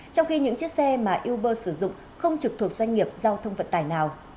trong khi những chiếc xe mà uber sử dụng không trực thuộc doanh nghiệp giao thông vận tải nào